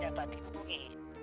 tidak dapat rumpungi